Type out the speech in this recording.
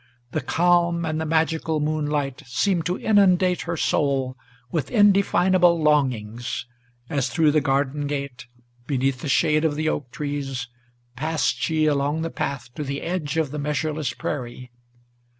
The calm and the magical moonlight Seemed to inundate her soul with indefinable longings, As, through the garden gate, beneath the shade of the oak trees, Passed she along the path to the edge of the measureless prairie.